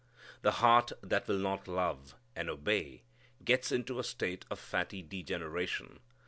The heart that will not love and obey gets into a state of fatty degeneration.